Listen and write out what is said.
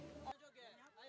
keamanan dan bola